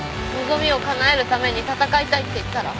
望みをかなえるために戦いたいって言ったら？